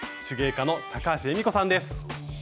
手芸家の高橋恵美子さんです。